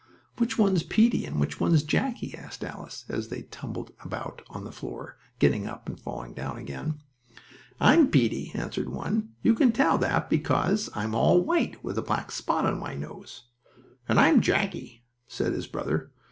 "Which one is Peetie and which one is Jackie?" Alice asked, as they tumbled about on the floor, getting up and falling down again. "I am Peetie," answered one. "You can tell that because I am all white with a black spot on my nose." "And I am Jackie," said his brother.